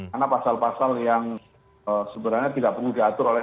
karena pasal pasal yang sebenarnya tidak perlu diatur oleh